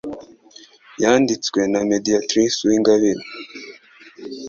Yanditswe na mediatrice uwingabire